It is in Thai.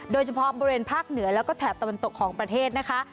โดยเฉพาะบริเวณภาคเหนือแล้วก็แถบตะวันตกของประเทศนะคะ